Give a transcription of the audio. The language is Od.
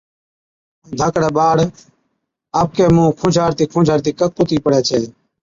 ائُون ڌاڪڙَي ٻاڙ آپڪَي مُونه کُنجھاڙتِي کُنجھاڙتِي ڪَڪ هُتِي پڙَي ڇَي۔